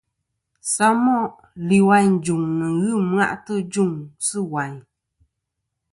Samoʼ lìwàyn î jùŋ nɨ̀ ghɨ ɨmwaʼtɨ ɨ jûŋ sɨ̂ wàyn.